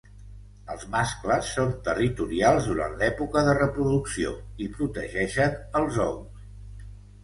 Els mascles són territorials durant l'època de reproducció i protegeixen els ous.